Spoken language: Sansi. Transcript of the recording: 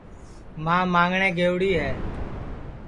ماں ماںٚگٹؔے گئوڑی ہے